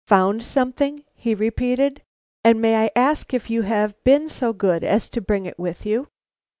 "Found something?" he repeated. "And may I ask if you have been so good as to bring it with you?"